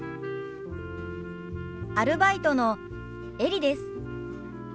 アルバイトのエリです。